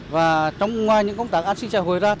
và trong ngoài những công tác an sinh xã hội ra